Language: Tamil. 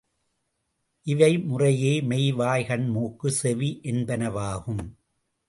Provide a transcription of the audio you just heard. இவை முறையே மெய், வாய், கண், மூக்கு, செவி என்பனவாம்.